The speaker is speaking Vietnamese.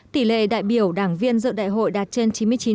tỷ lệ đại biểu đảng viên dự đại hội đạt trên chín mươi chín